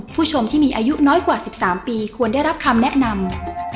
ผู้ชมที่มีอายุน้อยกว่า๑๓ปีควรได้รับคำแนะนำ